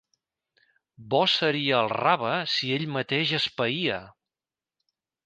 Bo seria el rave si ell mateix es païa.